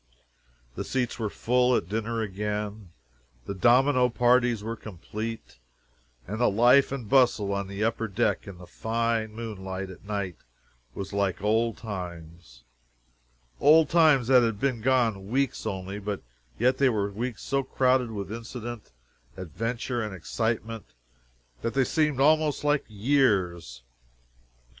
The seats were full at dinner again, the domino parties were complete, and the life and bustle on the upper deck in the fine moonlight at night was like old times old times that had been gone weeks only, but yet they were weeks so crowded with incident, adventure and excitement, that they seemed almost like years.